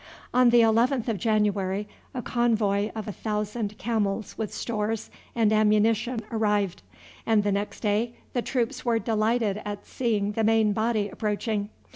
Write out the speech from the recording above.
On the 11th of January a convoy of a thousand camels with stores and ammunition arrived, and the next day the troops were delighted at seeing the main body approaching.